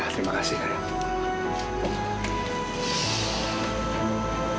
terima kasih karim